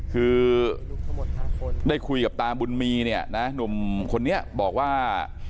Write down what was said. คือได้คุยกับตาบุญมีเนี่ยนะหนุ่มคนนี้บอกว่า